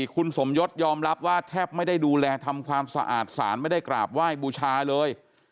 คุณสมยศยอมรับว่าแทบไม่ได้ดูแลทำความสะอาดสารไม่ได้กราบไหว้บูชาเลย